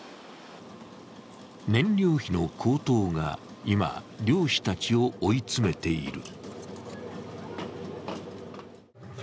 燃料費の高騰が今、漁師たちを追い詰めている。